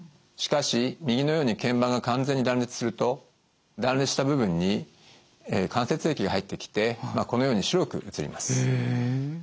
しかし右のように腱板が完全に断裂すると断裂した部分に関節液が入ってきてこのように白く写ります。